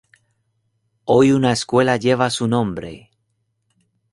Hoy una escuela lleva su nombre.